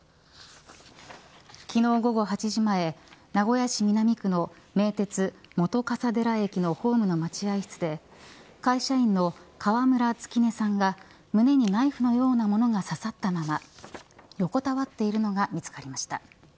昨日午後８時前、名古屋市南区の名鉄本笠寺駅のホームの待合室で会社員の川村月音さんが胸にナイフのような物が刺さったまま横たわっているのが見つかりました。